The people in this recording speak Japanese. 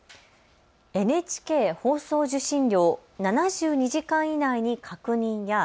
ＮＨＫ放送受信料７２時間以内に確認や